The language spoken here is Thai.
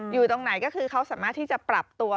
อยู่ตรงไหนก็คือเขาสามารถที่จะปรับตัว